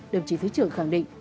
đồng chí thứ trưởng khẳng định